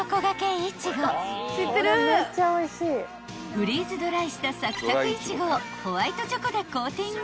［フリーズドライしたサクサクイチゴをホワイトチョコでコーティング］